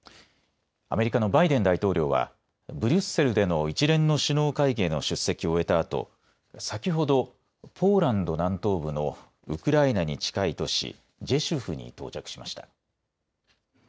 アメリカのバイデン大統領はブリュッセルでの一連の首脳会議の出席を終えたあと先ほどポーランド南東部のウクライナに近い都市ジュシュフに到着しました。